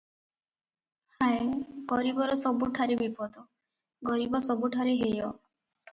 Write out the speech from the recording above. ହାୟ, ଗରିବର ସବୁଠାରେ ବିପଦ- ଗରିବ ସବୁଠାରେ ହେୟ ।